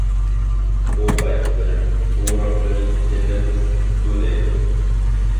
ئۇ قايتىپ بېرىپ: ئۇ رەببىم، جەننەت توشۇپ كېتىپتۇ، دەيدۇ.